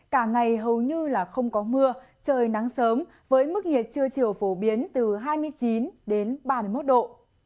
cả ngày hầu như là không có mưa trời nắng sớm với mức nhiệt trưa chiều phổ biến từ hai mươi chín đến ba mươi một độ